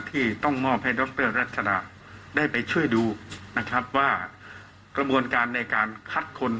ที่ต้องมอบให้ดรรัชดาได้ไปช่วยดูนะครับว่ากระบวนการในการคัดคน